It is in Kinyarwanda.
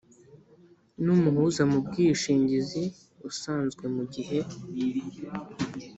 N umuhuza mu bwishingizi usanzwe mu gihe